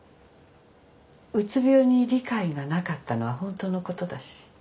うつ病に理解がなかったのは本当のことだし。